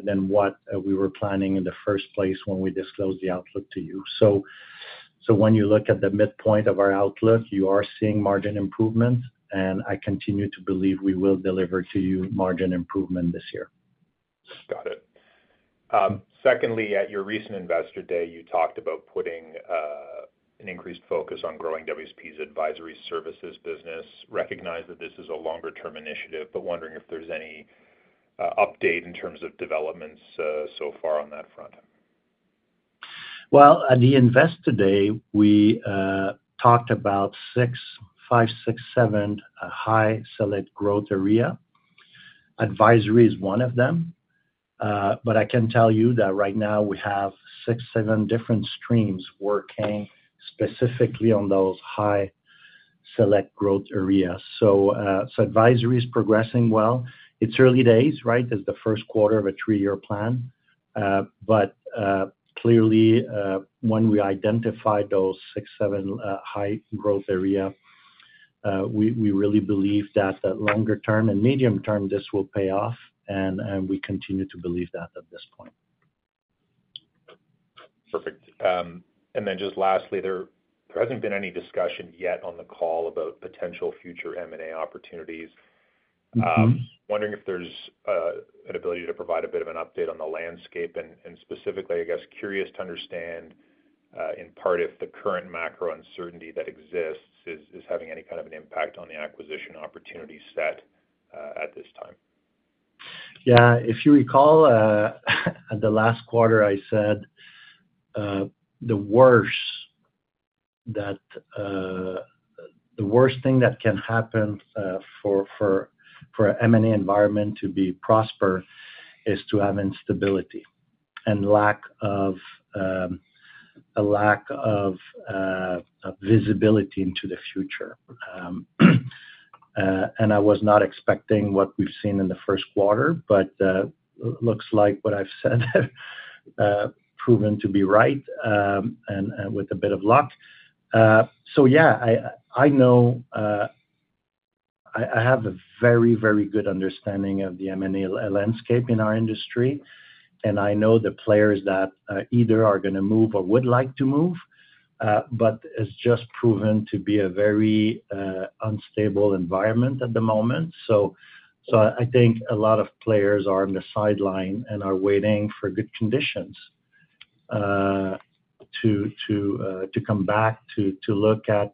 than what we were planning in the first place when we disclosed the outlook to you. When you look at the midpoint of our outlook, you are seeing margin improvement, and I continue to believe we will deliver to you margin improvement this year. Got it. Secondly, at your recent investor day, you talked about putting an increased focus on growing WSP's advisory services business. Recognize that this is a longer-term initiative, but wondering if there's any update in terms of developments so far on that front. At the investor day, we talked about six, five, six, seven high-select growth areas. Advisory is one of them. I can tell you that right now we have six, seven different streams working specifically on those high-select growth areas. Advisory is progressing well. It's early days, right? It's the first quarter of a three-year plan. Clearly, when we identify those six, seven high-growth areas, we really believe that longer-term and medium-term, this will pay off. We continue to believe that at this point. Perfect. Lastly, there has not been any discussion yet on the call about potential future M&A opportunities. Wondering if there is an ability to provide a bit of an update on the landscape. Specifically, I guess curious to understand in part if the current macro uncertainty that exists is having any kind of an impact on the acquisition opportunity set at this time. Yeah. If you recall, the last quarter I said the worst thing that can happen for an M&A environment to be prosperous is to have instability and a lack of visibility into the future. I was not expecting what we've seen in the first quarter, but it looks like what I've said has proven to be right with a bit of luck. Yeah, I know I have a very, very good understanding of the M&A landscape in our industry. I know the players that either are going to move or would like to move, but it's just proven to be a very unstable environment at the moment. I think a lot of players are on the sideline and are waiting for good conditions to come back to look at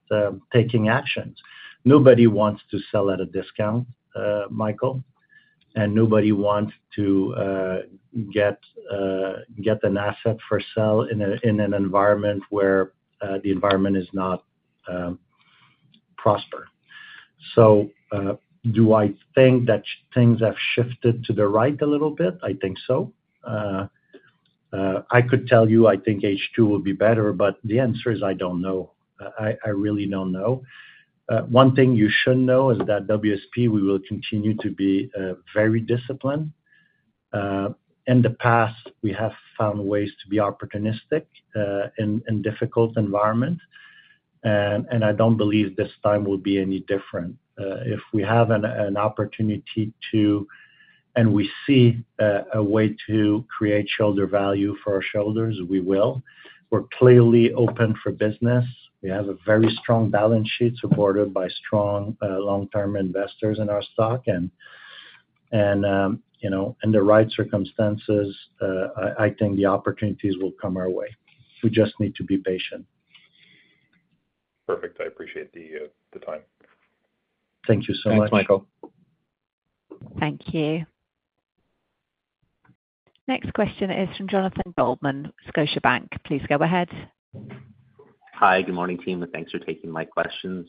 taking actions. Nobody wants to sell at a discount, Michael. Nobody wants to get an asset for sale in an environment where the environment is not prosper. Do I think that things have shifted to the right a little bit? I think so. I could tell you I think H2 will be better, but the answer is I do not know. I really do not know. One thing you should know is that WSP, we will continue to be very disciplined. In the past, we have found ways to be opportunistic in difficult environments. I do not believe this time will be any different. If we have an opportunity to and we see a way to create shoulder value for our shoulders, we will. We are clearly open for business. We have a very strong balance sheet supported by strong long-term investors in our stock. In the right circumstances, I think the opportunities will come our way. We just need to be patient. Perfect. I appreciate the time. Thank you so much. Thanks, Michael. Thank you. Next question is from Jonathan Goldman, Scotiabank. Please go ahead. Hi. Good morning, team. Thanks for taking my questions.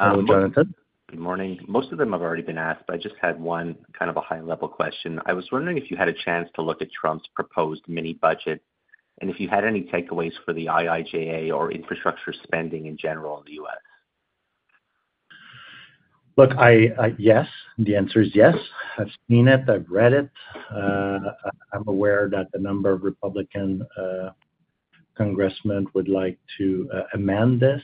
Good morning, Jonathan. Good morning. Most of them have already been asked, but I just had one kind of a high-level question. I was wondering if you had a chance to look at Trump's proposed mini-budget and if you had any takeaways for the IIJA or infrastructure spending in general in the U.S. Look, yes. The answer is yes. I've seen it. I've read it. I'm aware that a number of Republican congressmen would like to amend this.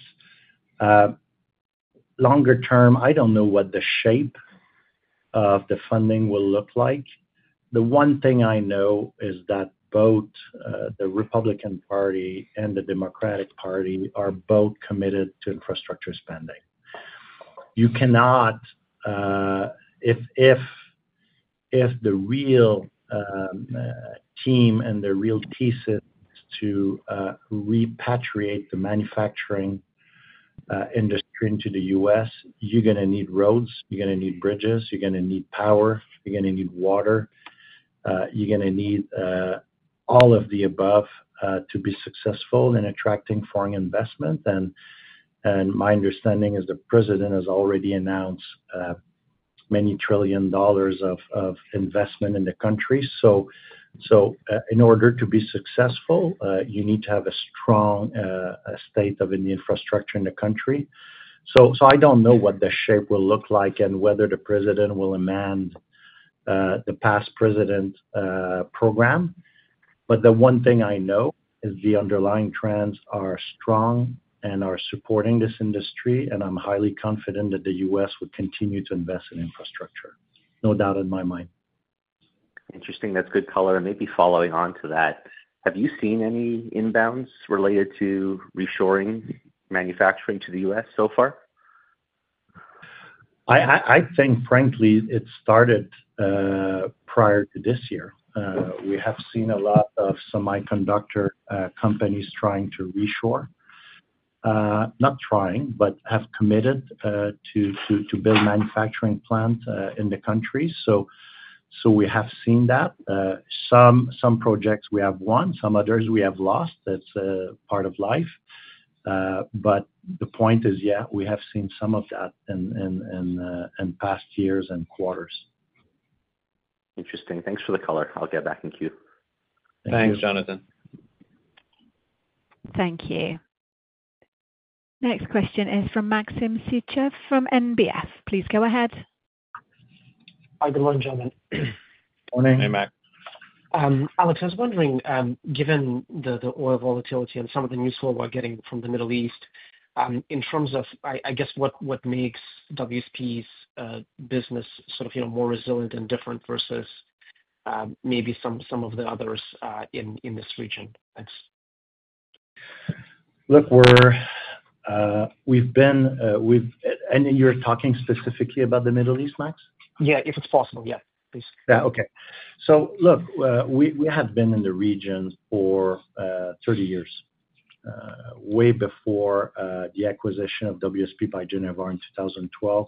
Longer term, I don't know what the shape of the funding will look like. The one thing I know is that both the Republican Party and the Democratic Party are both committed to infrastructure spending. If the real team and the real thesis is to repatriate the manufacturing industry into the U.S., you're going to need roads. You're going to need bridges. You're going to need power. You're going to need water. You're going to need all of the above to be successful in attracting foreign investment. My understanding is the president has already announced many trillion dollars of investment in the country. In order to be successful, you need to have a strong state of infrastructure in the country. I do not know what the shape will look like and whether the president will amend the past president program. The one thing I know is the underlying trends are strong and are supporting this industry. I am highly confident that the U.S. will continue to invest in infrastructure. No doubt in my mind. Interesting. That's good color. Maybe following on to that, have you seen any inbounds related to reshoring manufacturing to the U.S. so far? I think, frankly, it started prior to this year. We have seen a lot of semiconductor companies trying to reshore. Not trying, but have committed to build manufacturing plants in the country. We have seen that. Some projects we have won. Some others we have lost. That is part of life. The point is, yeah, we have seen some of that in past years and quarters. Interesting. Thanks for the color. I'll get back in queue. Thanks, Jonathan. Thank you. Next question is from Maxim Sytchev from NBF. Please go ahead. Hi. Good morning, Jonathan. Morning. Hey, Max. Alex, I was wondering, given the oil volatility and some of the news we're getting from the Middle East, in terms of, I guess, what makes WSP's business sort of more resilient and different versus maybe some of the others in this region? Thanks. Look, we've been, and you're talking specifically about the Middle East, Max? Yeah. If it's possible, yeah. Please. Yeah. Okay. Look, we have been in the region for 30 years, way before the acquisition of WSP by Genivar in 2012.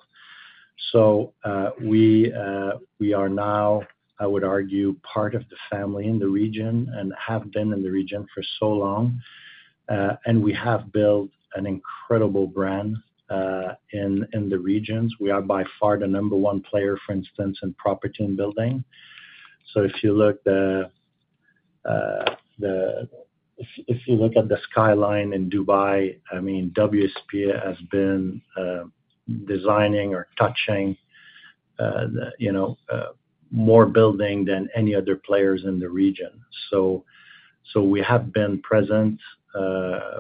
We are now, I would argue, part of the family in the region and have been in the region for so long. We have built an incredible brand in the region. We are by far the number one player, for instance, in property and building. If you look at the skyline in Dubai, I mean, WSP has been designing or touching more buildings than any other player in the region. We have been present.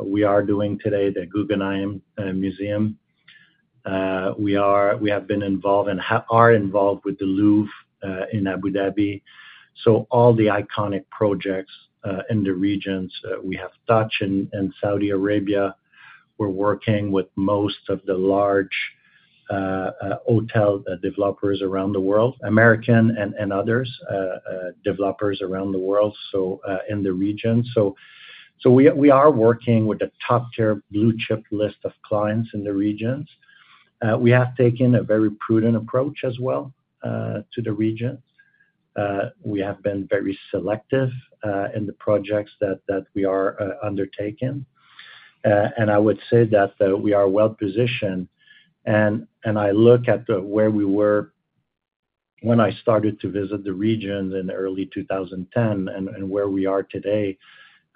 We are doing today the Guggenheim Museum. We have been involved and are involved with the Louvre in Abu Dhabi. All the iconic projects in the region, we have touched. In Saudi Arabia, we're working with most of the large hotel developers around the world, American and others, developers around the world in the region. We are working with the top-tier blue-chip list of clients in the regions. We have taken a very prudent approach as well to the region. We have been very selective in the projects that we are undertaking. I would say that we are well positioned. I look at where we were when I started to visit the region in early 2010 and where we are today.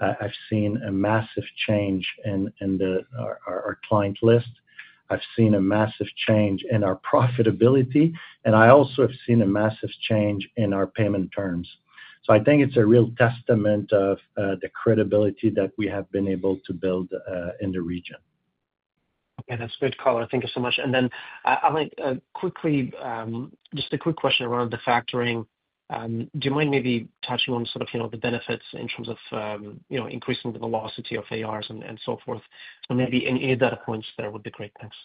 I've seen a massive change in our client list. I've seen a massive change in our profitability. I also have seen a massive change in our payment terms. I think it's a real testament of the credibility that we have been able to build in the region. Yeah. That's good color. Thank you so much. I would like quickly just a quick question around the factoring. Do you mind maybe touching on sort of the benefits in terms of increasing the velocity of ARs and so forth? Maybe any data points there would be great. Thanks.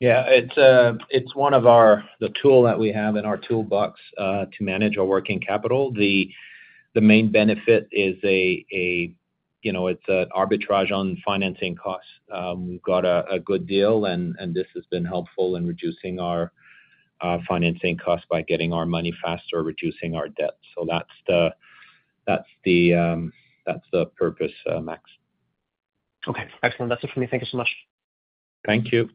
Yeah. It's one of the tools that we have in our toolbox to manage our working capital. The main benefit is it's an arbitrage on financing costs. We've got a good deal, and this has been helpful in reducing our financing costs by getting our money faster, reducing our debt. That's the purpose, Max. Okay. Excellent. That's it for me. Thank you so much. Thank you.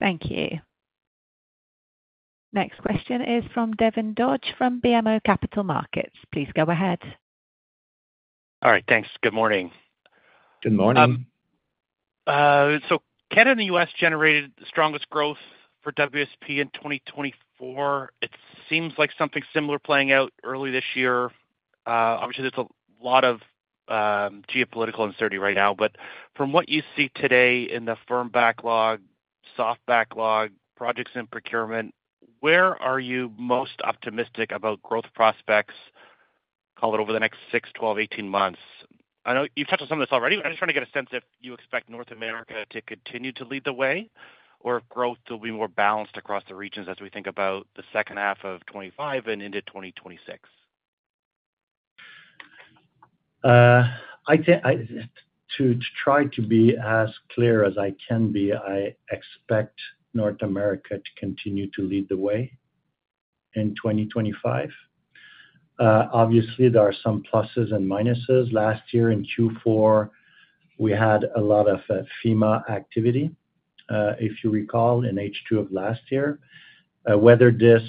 Thank you. Next question is from Devin Dodge from BMO Capital Markets. Please go ahead. All right. Thanks. Good morning. Good morning. Canada and the U.S. generated the strongest growth for WSP in 2024. It seems like something similar is playing out early this year. Obviously, there's a lot of geopolitical uncertainty right now. From what you see today in the firm backlog, soft backlog, projects in procurement, where are you most optimistic about growth prospects, call it over the next 6, 12, 18 months? I know you've touched on some of this already, but I'm just trying to get a sense if you expect North America to continue to lead the way or if growth will be more balanced across the regions as we think about the second half of 2025 and into 2026. To try to be as clear as I can be, I expect North America to continue to lead the way in 2025. Obviously, there are some pluses and minuses. Last year in Q4, we had a lot of FEMA activity, if you recall, in H2 of last year. Whether the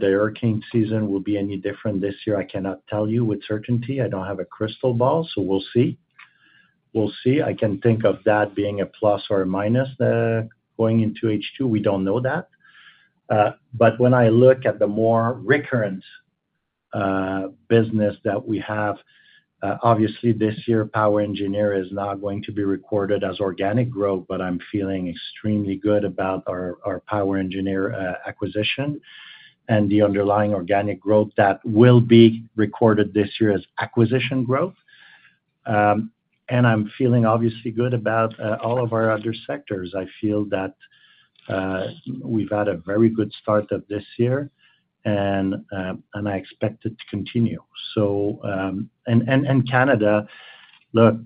hurricane season will be any different this year, I cannot tell you with certainty. I do not have a crystal ball, so we will see. We will see. I can think of that being a plus or a minus going into H2. We do not know that. When I look at the more recurrent business that we have, obviously, this year, POWER Engineers is not going to be recorded as organic growth, but I am feeling extremely good about our POWER Engineers acquisition and the underlying organic growth that will be recorded this year as acquisition growth. I'm feeling obviously good about all of our other sectors. I feel that we've had a very good start of this year, and I expect it to continue. Canada, look,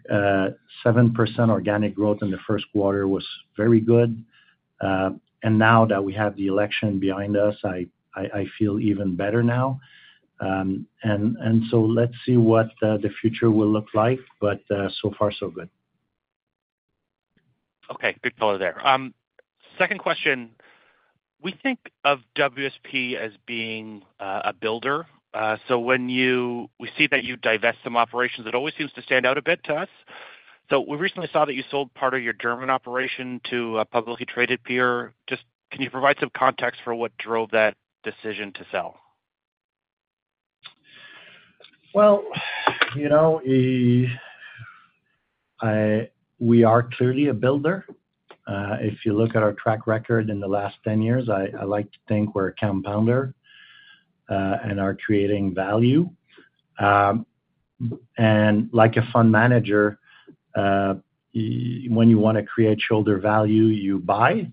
7% organic growth in the first quarter was very good. Now that we have the election behind us, I feel even better now. Let's see what the future will look like. So far, so good. Okay. Good color there. Second question. We think of WSP as being a builder. We see that you divest some operations. It always seems to stand out a bit to us. We recently saw that you sold part of your German operation to a publicly traded peer. Just can you provide some context for what drove that decision to sell? We are clearly a builder. If you look at our track record in the last 10 years, I like to think we're a compounder and are creating value. Like a fund manager, when you want to create shareholder value, you buy.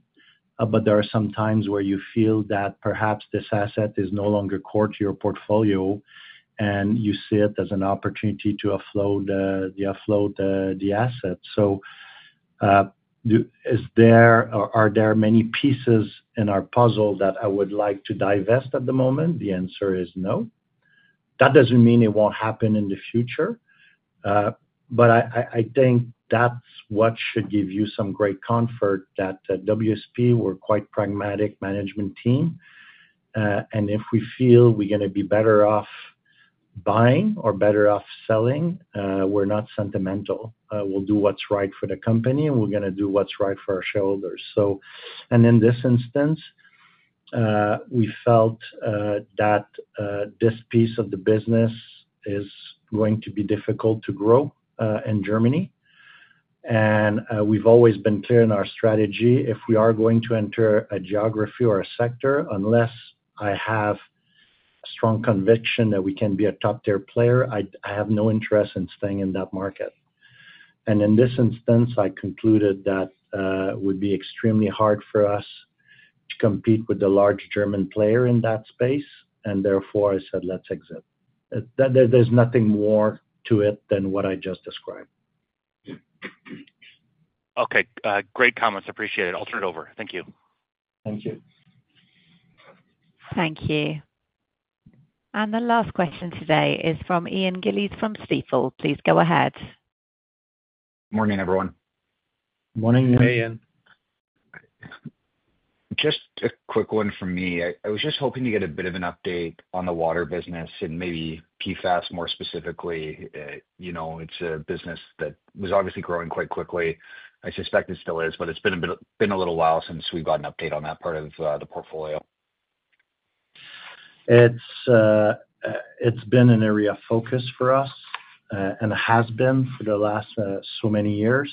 There are some times where you feel that perhaps this asset is no longer core to your portfolio, and you see it as an opportunity to offload the asset. Are there many pieces in our puzzle that I would like to divest at the moment? The answer is no. That does not mean it will not happen in the future. I think that is what should give you some great comfort that at WSP, we are quite a pragmatic management team. If we feel we are going to be better off buying or better off selling, we are not sentimental. We'll do what's right for the company, and we're going to do what's right for our shoulders. In this instance, we felt that this piece of the business is going to be difficult to grow in Germany. We've always been clear in our strategy. If we are going to enter a geography or a sector, unless I have strong conviction that we can be a top-tier player, I have no interest in staying in that market. In this instance, I concluded that it would be extremely hard for us to compete with the large German player in that space. Therefore, I said, "Let's exit." There's nothing more to it than what I just described. Okay. Great comments. Appreciate it. I'll turn it over. Thank you. Thank you. Thank you. The last question today is from Ian Gillies from Stifel. Please go ahead. Good morning, everyone. Good morning, Ian. Just a quick one from me. I was just hoping to get a bit of an update on the water business and maybe PFAS more specifically. It's a business that was obviously growing quite quickly. I suspect it still is, but it's been a little while since we've gotten an update on that part of the portfolio. It's been an area of focus for us and has been for the last so many years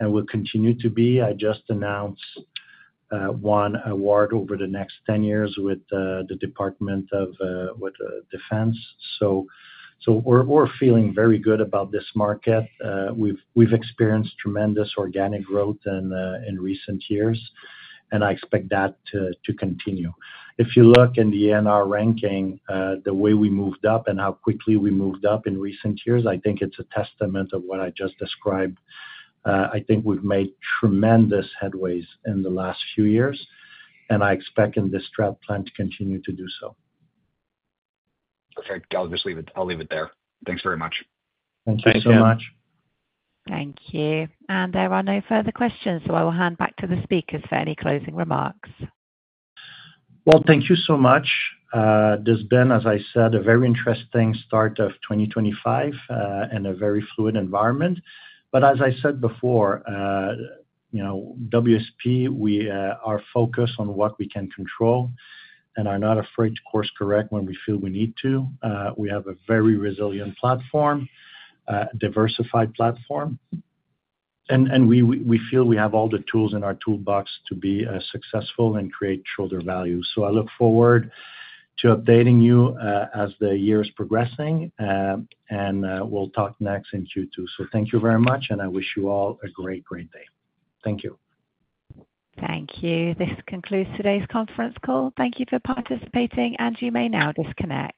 and will continue to be. I just announced one award over the next 10 years with the Department of Defense. We are feeling very good about this market. We have experienced tremendous organic growth in recent years, and I expect that to continue. If you look in the NR ranking, the way we moved up and how quickly we moved up in recent years, I think it's a testament of what I just described. I think we have made tremendous headways in the last few years, and I expect in this track plan to continue to do so. Okay. I'll just leave it there. Thanks very much. Thank you so much. Thank you. There are no further questions, so I will hand back to the speakers for any closing remarks. Thank you so much. This has been, as I said, a very interesting start of 2025 and a very fluid environment. As I said before, WSP, we are focused on what we can control and are not afraid to course-correct when we feel we need to. We have a very resilient platform, a diversified platform, and we feel we have all the tools in our toolbox to be successful and create shareholder value. I look forward to updating you as the year is progressing, and we'll talk next in Q2. Thank you very much, and I wish you all a great, great day. Thank you. Thank you. This concludes today's conference call. Thank you for participating, and you may now disconnect.